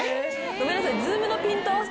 ごめんなさい。